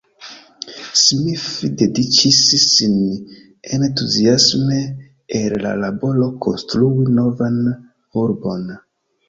Smith dediĉis sin entuziasme al la laboro konstrui novan urbon.